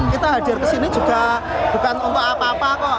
kita hadir kesini juga bukan untuk apa apa kok